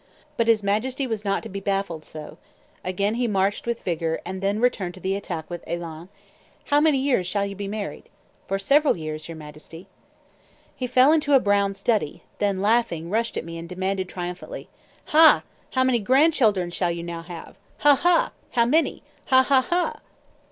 But his Majesty was not to be baffled so: again he marched with vigor, and then returned to the attack with élan. "How many years shall you be married?" "For several years, your Majesty." He fell into a brown study; then, laughing, rushed at me, and demanded triumphantly: "Ha! How many grandchildren shall you now have? Ha, ha! How many? How many? Ha, ha, ha!"